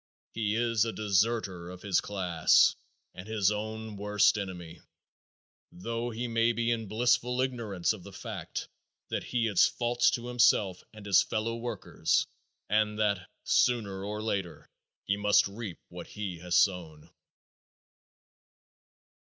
He is a deserter of his class and his own worst enemy, though he may be in blissful ignorance of the fact that he is false to himself and his fellow workers and that sooner or later he must reap what he has sown.